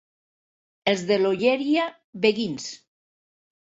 Els de l'Olleria, beguins.